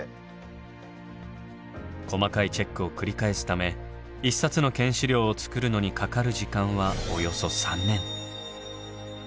細かいチェックを繰り返すため１冊の県史料を作るのにかかる時間はおよそ３年。